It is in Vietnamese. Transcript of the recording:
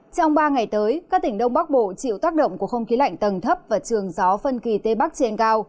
trong ba ngày tới các tỉnh đông bắc bộ chịu tác động của không khí lạnh tầng thấp và trường gió phân kỳ tây bắc trên cao